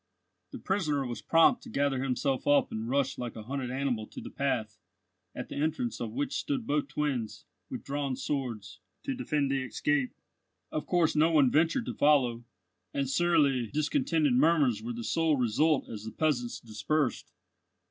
The prisoner was prompt to gather himself up and rush like a hunted animal to the path, at the entrance of which stood both twins, with drawn swords, to defend the escape. Of course no one ventured to follow; and surly discontented murmurs were the sole result as the peasants dispersed.